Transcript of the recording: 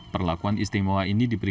perlakuan istimewa ini diperoleh